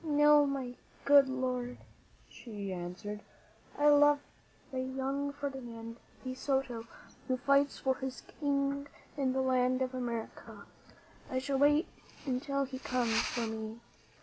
"No, my good lord," she answered; "I love the young Ferdinand de Soto who fights for his King in the land of America. I shall wait until he comes for me."